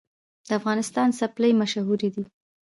د افغانستان څپلۍ مشهورې دي